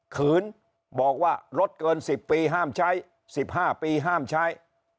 ขืนบอกว่ารถเกิน๑๐ปีห้ามใช้๑๕ปีห้ามใช้